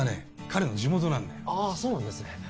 彼の地元なんだよああそうなんですね